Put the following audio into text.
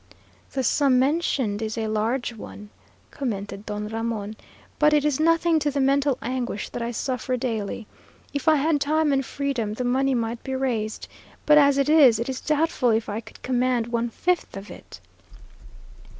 "The sum mentioned is a large one," commented Don Ramon, "but it is nothing to the mental anguish that I suffer daily. If I had time and freedom, the money might be raised. But as it is, it is doubtful if I could command one fifth of it."